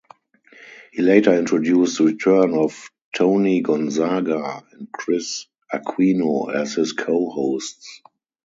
He later introduced the return of Toni Gonzaga and Kris Aquino as his co-hosts.